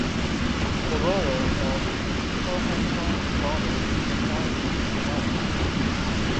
The borough of Cochranton borders the township to the northeast.